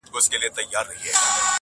د هري غزلي د ښه پیغام